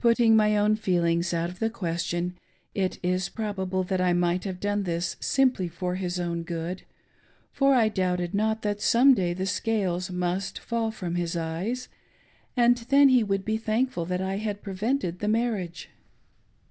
Putting my own feelings out of the question, it is proba ble that I might have done this simply for his own good; for I doubted not that some day the scales must fall from his eyes, and then he would be thankful that I had prevented the marriage.